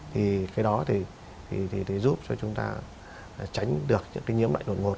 thì cái đó thì giúp cho chúng ta tránh được những cái nhiễm lạnh đột ngột